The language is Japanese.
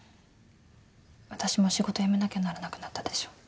わたしも仕事辞めなきゃならなくなったでしょ。